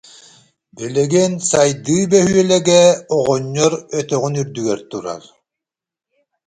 Билигин Сайдыы бөһүөлэгэ оҕонньор өтөҕүн үрдүгэр турар